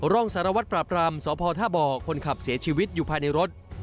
รองสารวัตรปราบรามสพท่าบ่อคนขับเสียชีวิตอยู่ภายในรถ